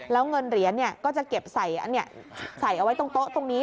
แล้วเงินเหรียญเนี่ยก็จะเก็บใส่อันนี้ใส่เอาไว้ตรงโต๊ะตรงนี้